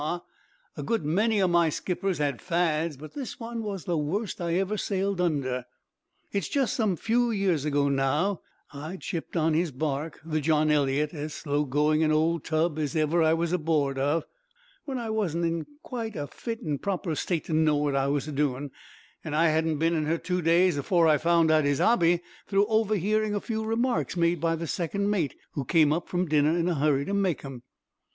A good many o' my skippers had fads, but this one was the worst I ever sailed under. "It's some few years ago now; I'd shipped on his bark, the John Elliott, as slow going an old tub as ever I was aboard of, when I wasn't in quite a fit an' proper state to know what I was doing, an' I hadn't been in her two days afore I found out his 'obby through overhearing a few remarks made by the second mate, who came up from dinner in a hurry to make 'em.